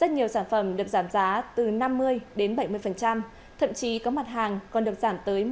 rất nhiều sản phẩm được giảm giá từ năm mươi đến bảy mươi thậm chí có mặt hàng còn được giảm tới một mươi